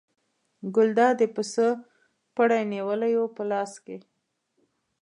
ګلداد د پسه پړی نیولی و په لاس کې.